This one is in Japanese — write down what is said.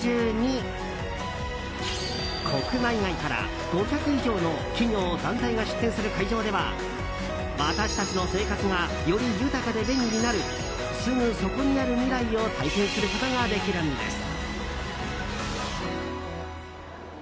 国内外から５００以上の企業、団体が出展する会場では私たちの生活がより豊かで便利になるすぐそこにある未来を体験することができるんです。